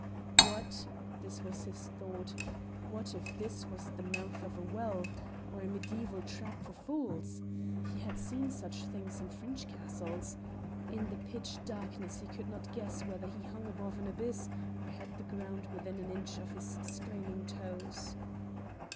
What this was his thought what if this was the mouth of a well? Or a mediaeval trap for fools? He had seen such things in French castles. In the pitch darkness he could not guess whether he hung above an abyss or had the ground within an inch of his straining toes.